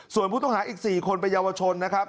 ส่วนผู้ต้องหาอีก๔คนเป็นเยาวชนนะครับ